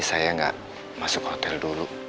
saya nggak masuk hotel dulu